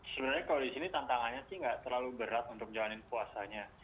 sebenarnya kalau di sini tantangannya sih nggak terlalu berat untuk jalanin puasanya